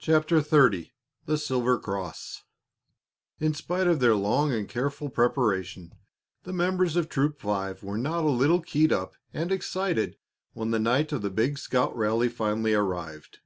CHAPTER XXX THE SILVER CROSS In spite of their long and careful preparation, the members of Troop Five were not a little keyed up and excited when the night of the big scout rally finally arrived.